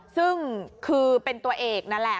ซึ่งคือเป็นตัวเอกนั่นแหละ